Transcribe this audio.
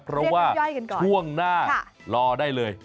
เพราะว่าช่วงหน้ารอได้เลย